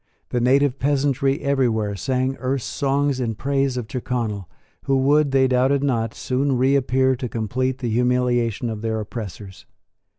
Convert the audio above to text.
The native peasantry everywhere sang Erse songs in praise of Tyrconnel, who would, they doubted not, soon reappear to complete the humiliation of their oppressors.